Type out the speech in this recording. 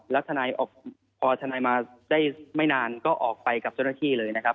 แล้วทนายพอทนายมาได้ไม่นานก็ออกไปกับเจ้าหน้าที่เลยนะครับ